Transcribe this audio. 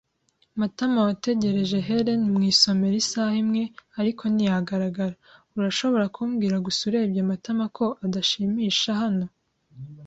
Matamawategereje Helen mu isomero isaha imwe, ariko ntiyagaragara. Urashobora kubwira gusa urebye Matama ko adashimisha hano.